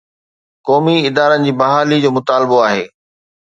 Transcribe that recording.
قومي ادارن جي بحالي جو مطالبو آهي.